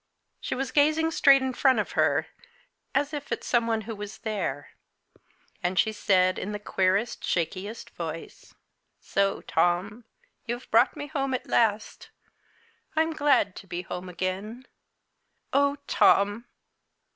She was gazing straight in front of her, as if at some one who was there; and she said, in the queerest, shakiest voice: "So, Tom, you've brought me home at last. I'm glad to be at home again. Oh, Tom!"